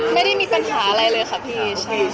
ไม่ได้มีปัญหาอะไรเลยค่ะพี่